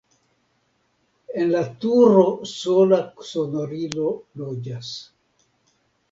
En la turo sola sonorilo loĝas.